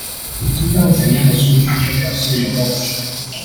聽到怎樣的數據就表示有漏水